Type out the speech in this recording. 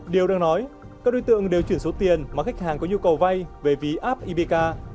điều đang nói các đối tượng đều chuyển số tiền mà khách hàng có nhu cầu vai về vì app ipk